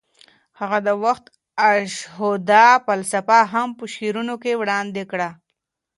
هغه د وحدت الشهود فلسفه هم په شعرونو کې وړاندې کړه.